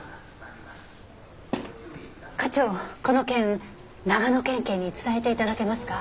課長この件長野県警に伝えて頂けますか？